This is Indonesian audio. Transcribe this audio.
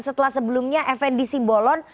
setelah sebelumnya fnd simbolon